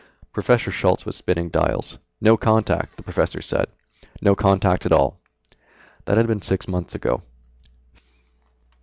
Professor Schultz was spinning dials. "No contact," the professor said, "No contact at all." That had been six months ago.